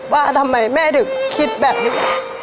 ว่าทำไมแม่ถึงคิดแบบนี้